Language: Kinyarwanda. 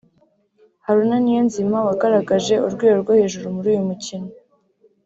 Haruna Niyonzima wagaragaje urwego rwo hejuru muri uyu mukino